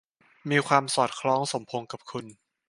มีความสอดคล้องสมพงศ์กับคุณ